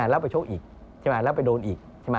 แล้วไปโชคอีกแล้วไปโดนอีก